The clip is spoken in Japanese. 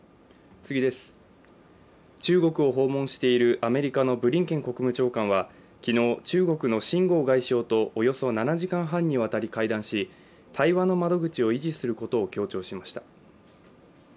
中国を訪問しているアメリカのブリンケン国務長官は昨日、中国の秦剛外相とおよそ７時間半にわたり会談し対話の窓口を維持することを強調しました。